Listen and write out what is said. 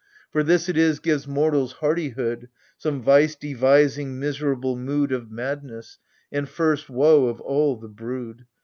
For this it is gives mortals hardihood — Some vice devising miserable mood Of madness, and first woe of all the brood.